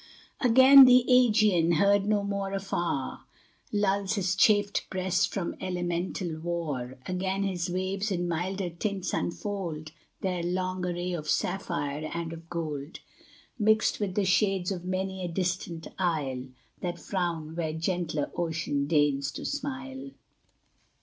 Again the Ægean, heard no more afar, Lulls his chafed breast from elemental war; Again his waves in milder tints unfold Their long array of sapphire and of gold, Mixed with the shades of many a distant isle, That frown where gentler ocean deigns to smile.